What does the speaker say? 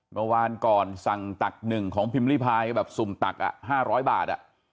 เมื่อวานก่อนสั่งตักหนึ่งของพิมพิภายแบบสุ่มตักอ่ะห้าร้อยบาทอ่ะ